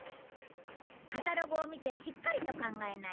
カタログを見てしっかりと考えなよ。